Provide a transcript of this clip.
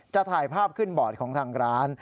ถ่ายภาพขึ้นบอร์ดของทางร้าน